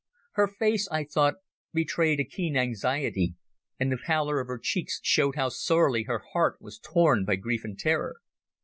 Her face, I thought, betrayed a keen anxiety, and the pallor of her cheeks showed how sorely her heart was torn by grief and terror.